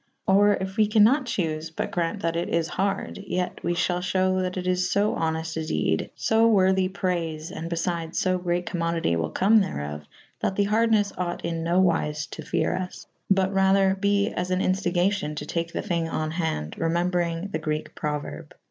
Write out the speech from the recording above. Or if we can nat chofe but graunte that it is harde / yet we 1 hall f hew that it is fo honefte a dede / fo worthy prayfe and befydes lo great cowzmodity wyll come therof / that the hardenes ought in no wyfe to fere vs : but rather be as an inftigacyon to take the thynge on hande / remew/brynge the greke pripuerbe.